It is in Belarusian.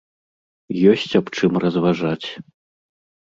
Ёсць аб чым разважаць.